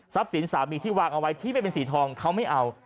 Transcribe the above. สินสามีที่วางเอาไว้ที่ไม่เป็นสีทองเขาไม่เอา